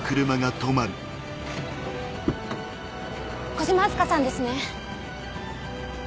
小島明日香さんですね？